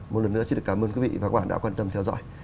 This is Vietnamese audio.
một lần nữa xin cảm ơn quý vị và các bạn đã quan tâm theo dõi